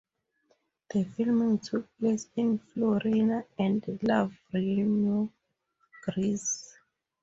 The filming took place in Florina and Lavrion, Greece.